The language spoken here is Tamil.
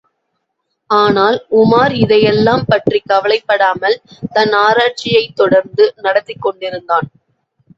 ஆனால், உமார் இதையெல்லாம் பற்றிக் கவலைப்படாமல் தன் ஆராய்ச்சியைத் தொடர்ந்து நடத்திக் கொண்டிருந்தான்.